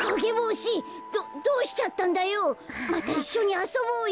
またいっしょにあそぼうよ。